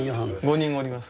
５人おります。